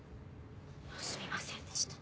すみませんでした。